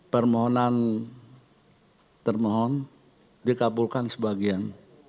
permohonan termohon dikabulkan sebagian